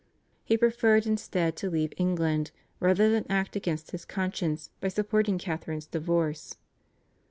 He preferred instead to leave England rather than act against his conscience by supporting Catherine's divorce.